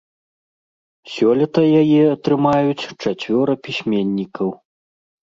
Сёлета яе атрымаюць чацвёра пісьменнікаў.